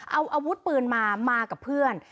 เอาอาวุธปืนมามากับเพื่อน